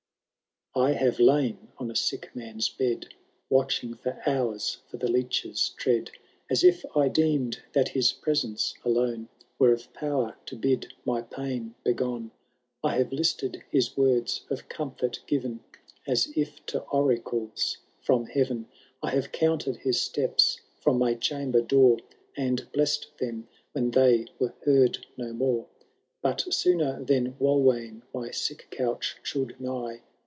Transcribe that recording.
Ithave lain on a sick man^ bed. Watching for hours for the leedi*a tread. As if I deem*d that his presence alone Were of power to bid my pain begone ; I have listed his words of comfort giTen, As if to oracles from heaven ; I have counted his steps from my chamber door. And bless*d them when they wen heard no moro v» But sooner than Walwayn my sick couch should nigh.